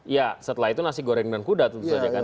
ya setelah itu nasi goreng dan kuda tentu saja kan